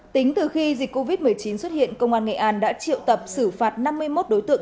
tính từ khi dịch covid một mươi chín xuất hiện công an nghệ an đã triệu tập xử phạt năm mươi một đối tượng